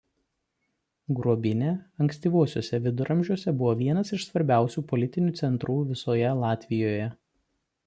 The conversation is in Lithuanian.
Gruobinia ankstyvuosiuose viduramžiuose buvo vienas iš svarbiausiųjų politinių centrų visoje Latvijoje.